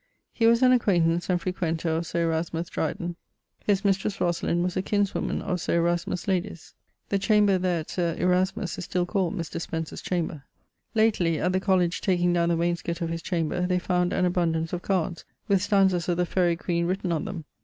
He was an acquaintance and frequenter of Sir Erasmus Dreyden. His mistris, Rosalind, was a kinswoman of Sir Erasmus' lady's. The chamber there at Sir Erasmus' is still called Mr. Spencer's chamber. Lately, at the College takeing downe the wainscot of his chamber, they found an abundance of cards, with stanzas of the 'Faerie Queen' written on them.